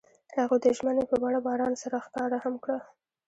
هغوی د ژمنې په بڼه باران سره ښکاره هم کړه.